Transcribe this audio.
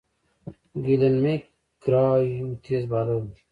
گلين میک ګرا یو تېز بالر وو.